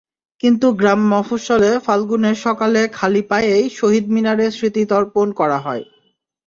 কিন্তু গ্রাম-মফস্বলে ফাল্গুনের সকালে খালি পায়েই শহীদ মিনারে স্মৃতিতর্পণ করা হয়।